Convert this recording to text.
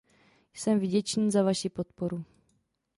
Jsem vděčný za vaši podporu.